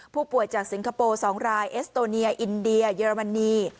ผู้ป่วยจากสิงคโปร์๒รายเอสโตเนียอินเดียเยอรมนี